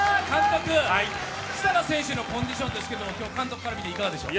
設楽選手のコンディションですけど監督から見てどうでしょう？